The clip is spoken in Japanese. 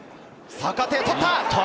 坂手が取った！